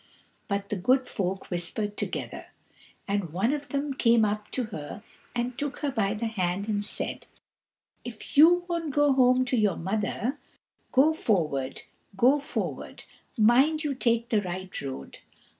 But the Good Folk whispered together, and one of them came up to her and took her by the hand and said, "If you won't go home to your mother, go forward, go forward; mind you take the right road.